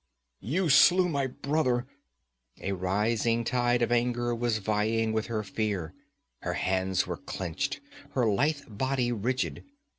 'You slew my brother!' A rising tide of anger was vying with her fear; her hands were clenched, her lithe body rigid.